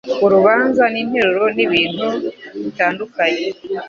Urubanza ninteruro nibintu bitandukanye.